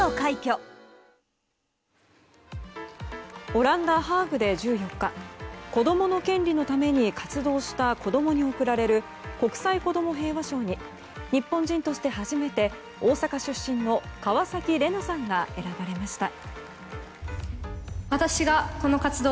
オランダ・ハーグで１４日子どもの権利のために活動した子供に贈られる国際子ども平和賞に日本人として初めて大阪出身の川崎レナさんが選ばれました。